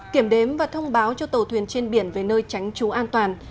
kiểm đếm và thông báo cho tàu thuyền trên biển về nơi tránh trú an toàn